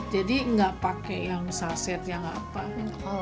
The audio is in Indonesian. jadi nggak pakai yang saset yang kacang